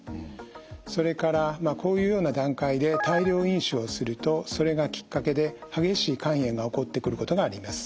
それからこういうような段階で大量飲酒をするとそれがきっかけで激しい肝炎が起こってくることがあります。